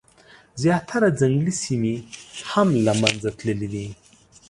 زیاتره ځنګلي سیمي هم له منځه تللي دي.